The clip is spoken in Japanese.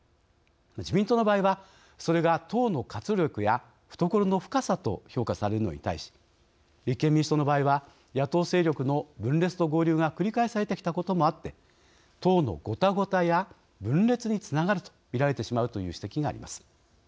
自民党の場合はそれが党の活力や懐の深さと評価されるのに対し立憲民主党の場合は野党勢力の分裂と合流が繰り返されてきたこともあって党のごたごたや分裂につながると見られてしまうという指摘があります。